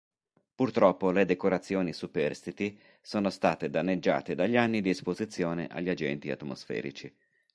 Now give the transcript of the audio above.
Purtroppo le decorazioni superstiti sono state danneggiate dagli anni di esposizione agli agenti atmosferici.